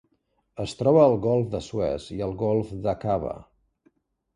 Es troba al Golf de Suez i al Golf d'Aqaba.